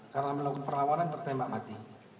karena melakukan perlawanan tertembak mati